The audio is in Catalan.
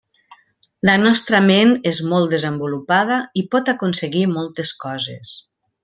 La nostra ment és molt desenvolupada i pot aconseguir moltes coses.